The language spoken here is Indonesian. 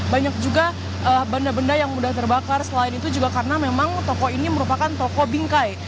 banyak juga benda benda yang mudah terbakar selain itu juga karena memang toko ini merupakan toko bingkai